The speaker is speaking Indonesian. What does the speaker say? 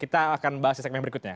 kita akan bahas di segmen berikutnya